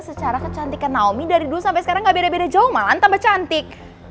secara kecantikan naomi dari dulu sampai sekarang gak beda beda jauh malahan tambah cantik